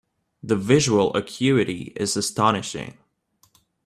The visual acuity is astonishing.